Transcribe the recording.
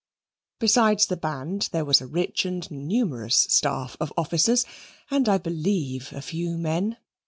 Besides the band, there was a rich and numerous staff of officers, and, I believe, a few men.